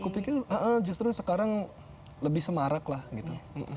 aku pikir justru sekarang lebih semarak lah gitu